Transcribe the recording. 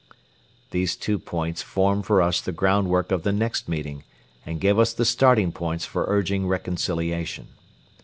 These two points formed for us the groundwork of the next meeting and gave us the starting points for urging reconciliation.